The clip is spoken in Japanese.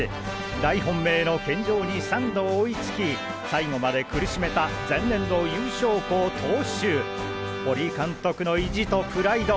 大本命の健丈に３度追いつき最後まで苦しめた前年度優勝校東秀堀監督の意地とプライド！